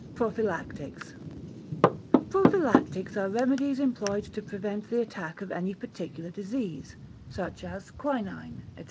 Prophylactics Prophylactics are remedies employed to prevent the attack of any particular disease, such as quinine, &c.